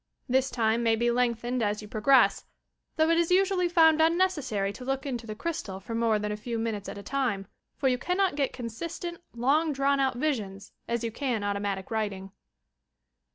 This time may be lengthened as you progress, though it is usually found unnecessary to look into the crystal for more than a few minutes at a time, for you eannot get consistent, long drawn out visions, as you can Automatic Writing.